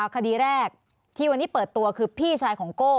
คดีแรกที่วันนี้เปิดตัวคือพี่ชายของโก้